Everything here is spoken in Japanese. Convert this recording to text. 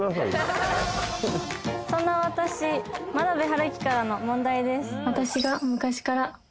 「そんな私間鍋春希からの問題です」